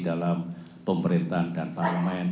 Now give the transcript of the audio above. dalam pemerintahan dan pahlawan lain